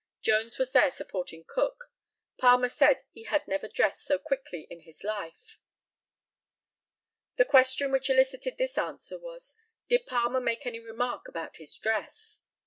Jones was there supporting Cook. Palmer said he had never dressed so quickly in his life. The question which elicited this answer was, "Did Palmer make any remark about his dress?"